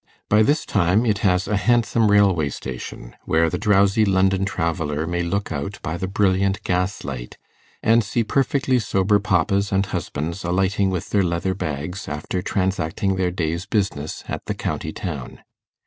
By this time it has a handsome railway station, where the drowsy London traveller may look out by the brilliant gas light and see perfectly sober papas and husbands alighting with their leatherbags after transacting their day's business at the county town.